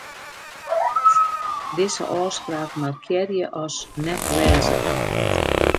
Dizze ôfspraak markearje as net-lêzen.